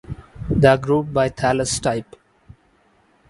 They are grouped by thallus type.